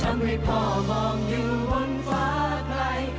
ให้พ่อมองอยู่บนฟ้าใคร